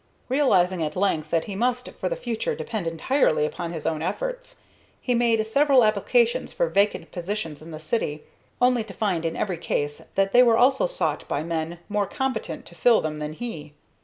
Realizing at length that he must for the future depend entirely upon his own efforts, he made several applications for vacant positions in the city, only to find in every case that they were also sought by men more competent to fill them than he.